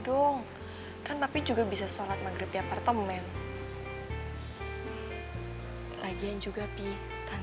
dong kan tapi juga bisa sholat maghrib di apartemen lagi juga pih tante farah udah dateng